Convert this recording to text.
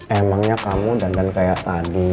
emangnya kamu dadan kayak tadi